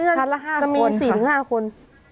จะมี๔๕คน